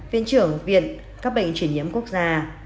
viện trưởng viện các bệnh truyền nhiễm quốc gia